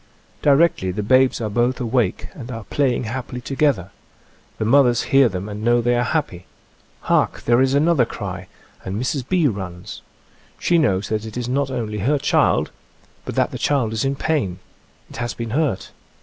Di rectly the babes are both awake and are play ing happily together. The mothers hear them and know they are happy. Hark! There is another cry, and Mrs. B. runs. She knows that it is not only her child, but that the child is in pain. It has been hurt.